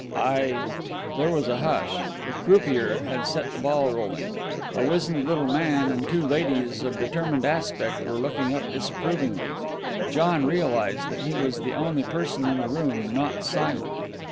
"I " There was a hush. The croupier had set the ball rolling. A wizened little man and two ladies of determined aspect were looking up disapprovingly. John realized that he was the only person in the room not silent.